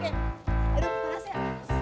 aduh panas ya